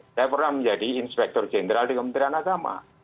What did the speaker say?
saya pernah menjadi inspektur jenderal di kementerian agama